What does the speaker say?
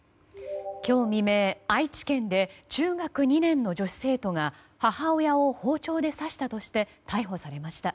今日未明、愛知県で中学２年生の女子生徒が母親を包丁で刺したとして逮捕されました。